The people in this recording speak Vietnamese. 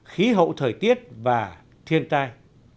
khí hậu thời tiết và thiên tai